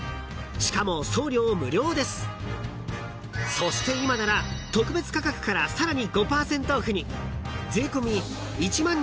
［そして今なら特別価格からさらに５％オフに］